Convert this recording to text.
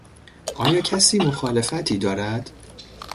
آیا کسی مخالفتی دارد؟